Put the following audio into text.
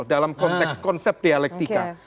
dalam konsep dialektika